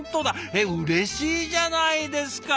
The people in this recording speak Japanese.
えっうれしいじゃないですか！